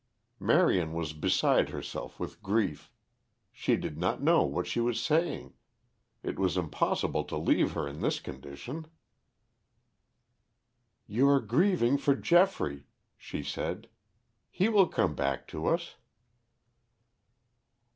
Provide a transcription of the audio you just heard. Marion was beside herself with grief; she did not know what she was saying. It was impossible to leave her in this condition. "You are grieving for Geoffrey," she said. "He will come back to us."